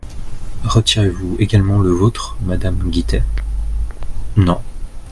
Retirez-vous également le vôtre, madame Guittet ? Non.